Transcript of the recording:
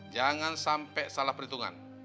jangan sampai salah perhitungan